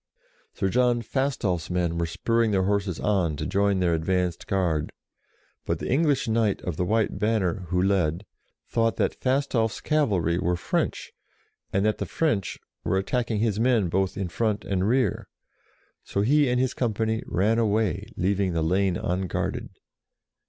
Sir John Fastolf's men were spurring their horses on to join their advanced guard, but the English knight of the white banner who led thought that Fastolfs cavalry were French, and that the French were DEFEATS THE ENGLISH 61 attacking his men both in front and rear. So he and his company ran away leaving the lane unguarded.